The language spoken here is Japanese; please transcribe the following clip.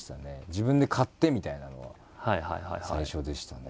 自分で買ってみたいなのが最初でしたね。